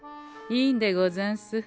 いいんでござんす。